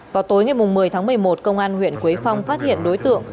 vào tối ngày một mươi tháng một mươi một công an huyện quế phong phát hiện đối tượng